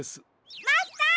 マスター！